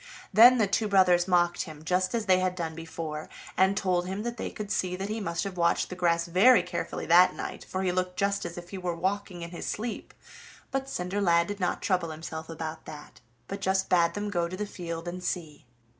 Then the two brothers mocked him just as they had done before, and told him that they could see that he must have watched the grass very carefully that night, for he looked just as if he were walking in his sleep; but Cinderlad did not trouble himself about that, but just bade them go to the field and see.